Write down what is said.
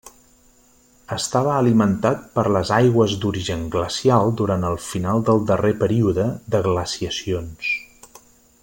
Estava alimentat per les aigües d'origen glacial durant el final del darrer període de glaciacions.